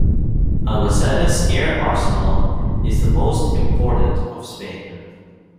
Albacete's Air Arsenal is the most important of Spain.